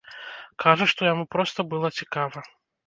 Кажа, што яму проста была цікава.